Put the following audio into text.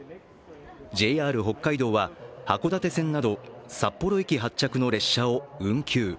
ＪＲ北海道は、函館線など札幌駅発着の列車を運休。